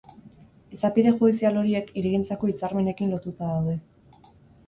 Izapide judizial horiek hirigintzako hitzarmenekin lotuta daude.